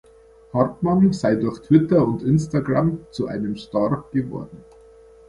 Hartmann sei durch Twitter und Instagram zu einem „Star“ geworden.